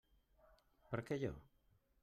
Per què jo?